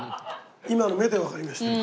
今の目でわかりましたね。